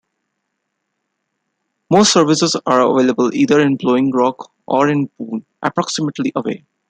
Most services are available either in Blowing Rock or in Boone, approximately away.